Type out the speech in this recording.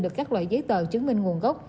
được các loại giấy tờ chứng minh nguồn gốc